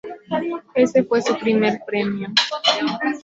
Ese fue su primer premio.